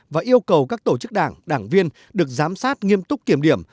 và yêu cầu các tổ chức đảng đảng viên được giám sát nghiêm túc kiểm điểm